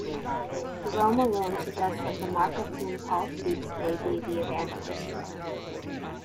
Jerome alone suggests that the Mark of whom Paul speaks may be the Evangelist.